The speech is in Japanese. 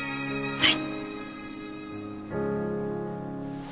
はい。